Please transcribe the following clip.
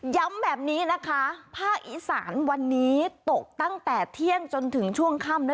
ย้ำแบบนี้นะคะภาคอีสานวันนี้ตกตั้งแต่เที่ยงจนถึงช่วงค่ำ